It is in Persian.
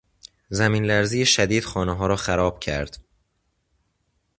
زمین لرزهٔ شدید خانه ها را خراب کرد.